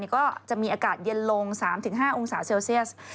ก็จะมีอากาศเย็นลง๓๕องศาเซลเซียส